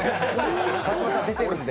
川島さん、出てるんで。